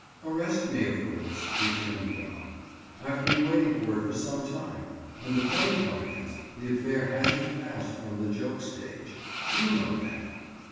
"Arrest me, of course," returned Bob. "I've been waiting for it for some time. And the funny part is, the affair hasn't passed from the joke stage. You know that."